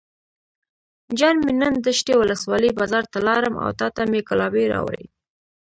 جان مې نن دشټي ولسوالۍ بازار ته لاړم او تاته مې ګلابي راوړې.